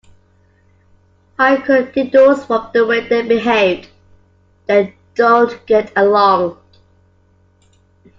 I could deduce from the way they behaved, they do not get along.